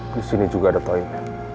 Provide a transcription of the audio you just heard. di sini juga ada toilet